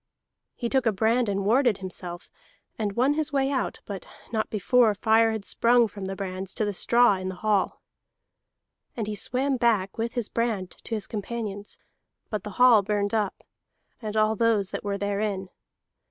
He took a brand and warded himself, and won his way out, but not before fire had sprung from the brands to the straw in the hall. And he swam back with his brand to his companions, but the hall burned up, and all those that were therein.